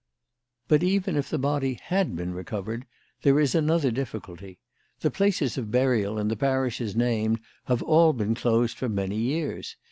"But even if the body had been recovered, there is another difficulty. The places of burial in the parishes named have all been closed for many years.